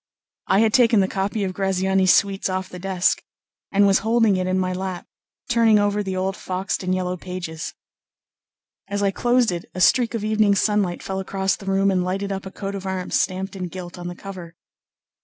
I had taken the copy of Graziani's suites off the desk, and was holding it on my lap turning over the old foxed and yellow pages. As I closed it a streak of evening sunlight fell across the room and lighted up a coat of arms stamped in gilt on the cover.